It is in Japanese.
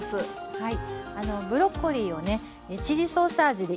はい。